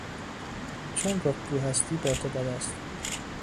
چون رکگو هستی با تو بد است.